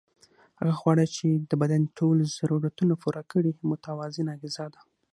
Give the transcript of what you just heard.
هغه خواړه چې د بدن ټول ضرورتونه پوره کړي متوازنه غذا ده